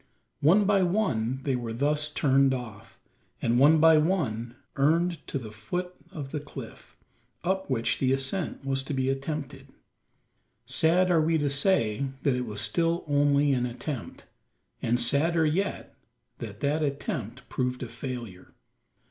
One by one they were thus turned off; and one by one earned to the foot of the cliff, up which the ascent was to be attempted. Sad are we to say that it was still only an attempt; and sadder yet that that attempt proved a failure.